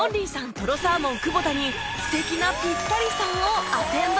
とろサーモン久保田に素敵なピッタリさんをアテンド